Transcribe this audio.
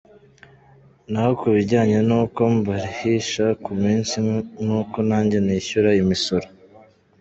Naho kubijyanye n’uko mbarihisha ku munsi n’uko nanjye nishyura imisoro’.